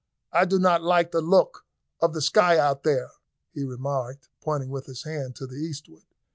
"I do not like the look of the sky out there," he remarked, pointing with his hand to the eastward.